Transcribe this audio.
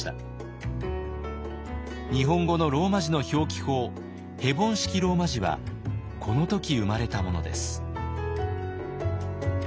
日本語のローマ字の表記法ヘボン式ローマ字はこの時生まれたものです。